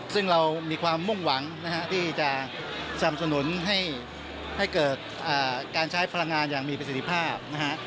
ซึ่งเรามีความมุ่งหวังนะฮะที่จะสนับสนุนให้เกิดการใช้พลังงานอย่างมีประสิทธิภาพนะฮะ